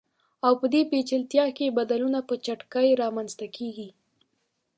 او په دې پېچلتیا کې بدلون په چټکۍ رامنځته کیږي.